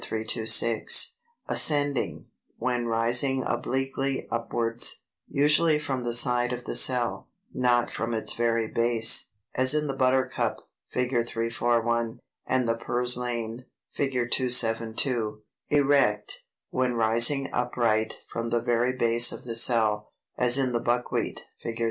326), Ascending, when rising obliquely upwards, usually from the side of the cell, not from its very base, as in the Buttercup (Fig. 341), and the Purslane (Fig. 272), Erect, when rising upright from the very base of the cell, as in the Buckwheat (Fig.